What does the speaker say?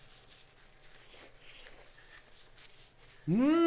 うん！